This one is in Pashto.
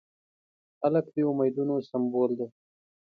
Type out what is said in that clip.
هلک د امیدونو سمبول دی.